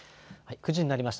９時になりました。